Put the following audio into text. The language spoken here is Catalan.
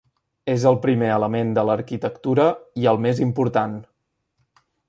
És el primer element de l'arquitectura i el més important.